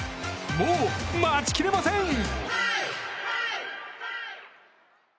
もう、待ちきれません！